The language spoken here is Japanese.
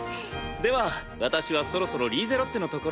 では私はそろそろリーゼロッテのところに。